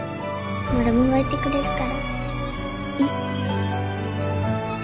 マルモがいてくれるからいい